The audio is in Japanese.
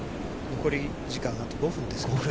残り時間あと５分ですね。